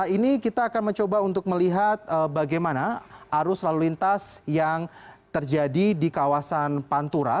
ini kita akan mencoba untuk melihat bagaimana arus lalu lintas yang terjadi di kawasan pantura